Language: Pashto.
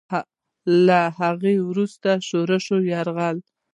له هغه وروسته شوروي یرغل